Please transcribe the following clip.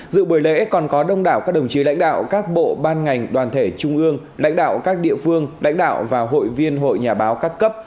dự buổi lễ còn có đông đảo các đồng chí lãnh đạo các bộ ban ngành đoàn thể trung ương lãnh đạo các địa phương lãnh đạo và hội viên hội nhà báo các cấp